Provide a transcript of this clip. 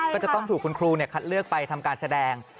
ก็จะต้องถูกคุณครูคัดเลือกไปทำการแสดง